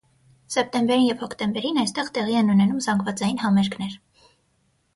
Սեպտեմբերին և հոկտեմբերին այստեղ տեղի են ունենում զանգվածային համերգներ։